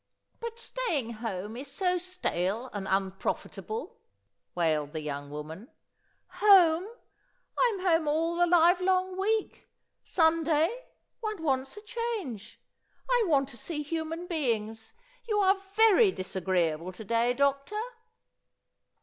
"But staying home is so stale and unprofitable," wailed the young woman. "Home! I'm home all the live long week! Sunday, one wants a change! I want to see human beings! You are very disagreeable to day, Doctor!"